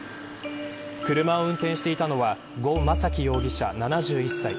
車を運転していたのは呉昌樹容疑者、７１歳。